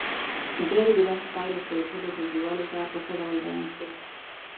بیا دې د بحث پایلې خپلو ټولو ټولګیوالو ته په ښه ډول بیان کړي.